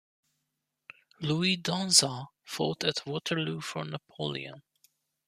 Louis Danzas fought at Waterloo for Napoleon.